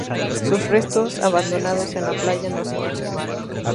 Sus restos, abandonados en la playa no se conservaron.